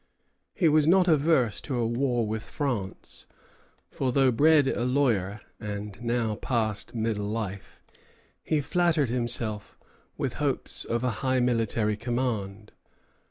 He was not averse to a war with France; for though bred a lawyer, and now past middle life, he flattered himself with hopes of a high military command.